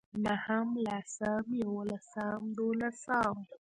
نهم لسم يولسم دولسم